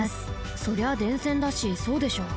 そりゃ電線だしそうでしょ。